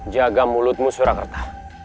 jaga mulutmu surakerta